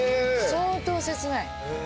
相当切ない。